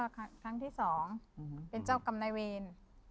ครั้งที่๒เป็นเจ้ากรรมนายเวร